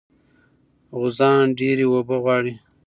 غوزان ډېرې اوبه غواړي.